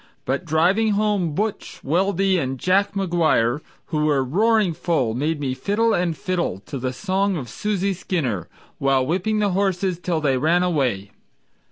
But driving home "Butch" Weldy and Jack McGuire, Who were roaring full, made me fiddle and fiddle To the song of Susie Skinner, while whipping the horses Till they ran away.